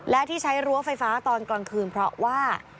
และที่ใช้รั้วไฟฟ้าตอนกลางคืนเพราะว่า